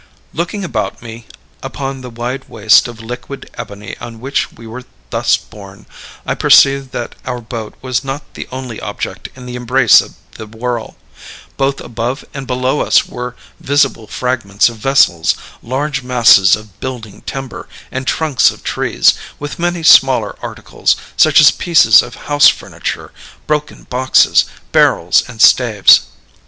"Looking about me upon the wide waste of liquid ebony on which we were thus borne, I perceived that our boat was not the only object in the embrace of the whirl. Both above and below us were visible fragments of vessels, large masses of building timber and trunks of trees, with many smaller articles, such as pieces of house furniture, broken boxes, barrels, and staves.